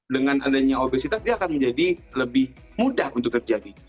dengan adanya obesitas dia akan menjadi lebih mudah untuk terjadi